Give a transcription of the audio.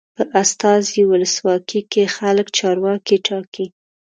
په استازي ولسواکۍ کې خلک چارواکي ټاکي.